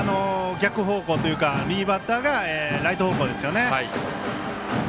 逆方向というか右バッターがライト方向ですね。